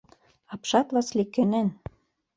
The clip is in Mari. Апшат Васлий кӧнен.